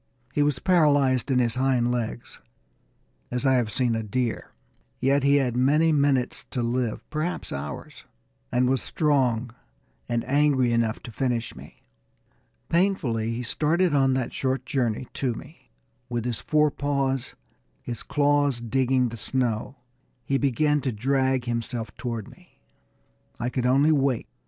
He was paralyzed in his hind legs, as I have seen a deer, yet he had many minutes to live, perhaps hours, and was strong and angry enough to finish me. Painfully he started on that short journey to me. With his forepaws, his claws digging the snow, he began to drag himself toward me. I could only wait.